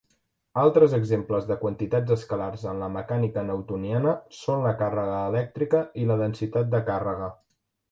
Altres exemples de quantitats escalars en la mecànica newtoniana són la càrrega elèctrica i la densitat de càrrega.